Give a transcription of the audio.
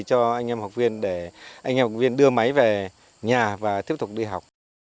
cho anh em học viên để anh em học viên đưa máy về nhà và tiếp tục đi học